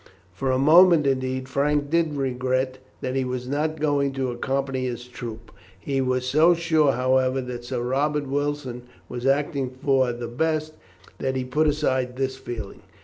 For a moment, indeed, Frank did regret that he was not going to accompany his troop. He was so sure, however, that Sir Robert Wilson was acting for the best that he put aside this feeling.